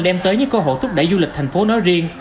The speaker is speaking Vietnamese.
đem tới những cơ hội thúc đẩy du lịch thành phố nói riêng